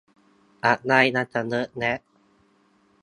อะไรมันจะเยอะแยะ